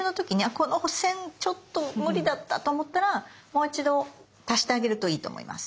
この線ちょっと無理だったと思ったらもう一度足してあげるといいと思います。